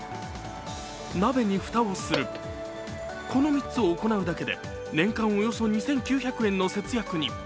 鍋に蓋をする、この３つを行うだけで年間およそ２９００円の節約に。